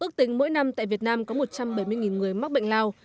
ước tính mỗi năm tại việt nam có một trăm bảy mươi người mắc bệnh lao